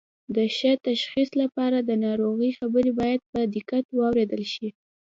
د ښه تشخیص لپاره د ناروغ خبرې باید په دقت واوریدل شي